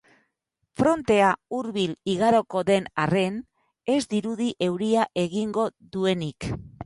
Frontea hurbil igaroko den arren, ez dirudi euria egingo duenik.